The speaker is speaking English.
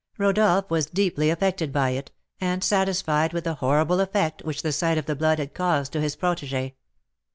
Rodolph was deeply affected by it, and satisfied with the horrible effect which the sight of the blood had caused to his protégé.